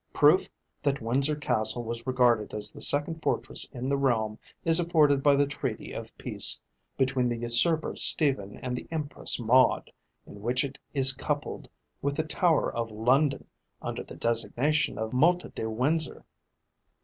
Proof that Windsor Castle was regarded as the second fortress in the realm is afforded by the treaty of peace between the usurper Stephen and the Empress Maud, in which it is coupled with the Tower of London under the designation of Mota de Windsor.